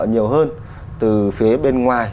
nhiều hơn từ phía bên ngoài